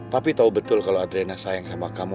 papi tahu betul kalau adriana sayang sama kamu